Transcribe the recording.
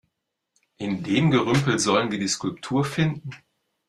In dem Gerümpel sollen wir die Skulptur finden?